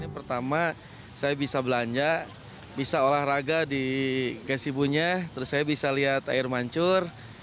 pertama saya bisa belanja bisa olahraga di kesibunya terus saya bisa lihat air mancur